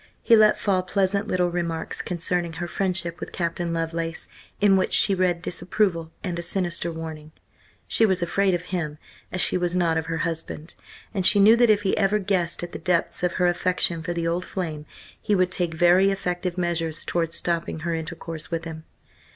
He let fall pleasant little remarks concerning her friendship with Captain Lovelace, in which she read disapproval and a sinister warning. She was afraid of him, as she was not of her husband, and she knew that if he ever guessed at the depths of her affection for the old flame, he would take very effective measures towards stopping her intercourse with him.